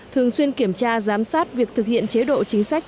thường xuyên kiểm tra giám sát việc thực hiện chế độ chính sách